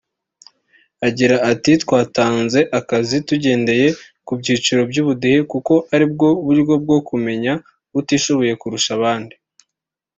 Agira ati“Twatanze akazi tugendeye ku byiciro by’ubudehe kuko aribwo buryo bwo kumenya utishoboye kurusha abandi